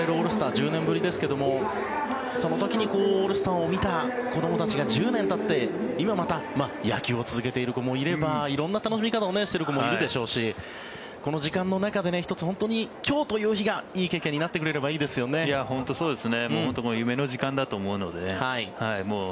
１０年ぶりですけどもその時にオールスターを見た子どもたちが１０年たって今、また野球を続けている子もいれば色んな楽しみ方をしている子もいるでしょうしこの時間の中で今日という日がいい経験になってくれればいいですよね。